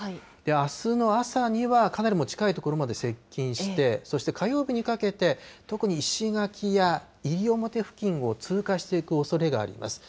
あすの朝にはかなりもう近い所まで接近して、そして火曜日にかけて、特に石垣や西表付近を通過していくおそれがあります。